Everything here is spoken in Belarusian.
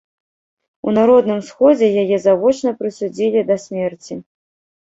У народным сходзе яе завочна прысудзілі да смерці.